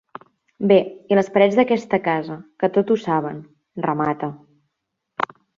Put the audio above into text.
Bé, i les parets d'aquesta casa, que tot ho saben –remata–.